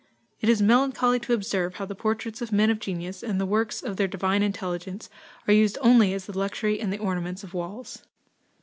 "It is melancholy to observe how the portraits of men of genius, and the works of their divine intelligence, are used only as the luxury and the ornaments of walls."